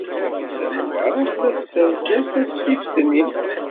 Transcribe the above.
Nafisa n Ubeṛṛan tella tessazzal tasfift-nni.